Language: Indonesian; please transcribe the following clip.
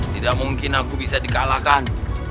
tidak mungkin aku bisa dikalahkan